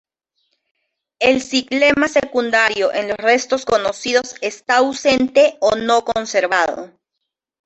El xilema secundario en los restos conocidos está ausente o no conservado.